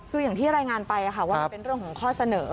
คืออย่างที่รายงานไปว่ามันเป็นเรื่องของข้อเสนอ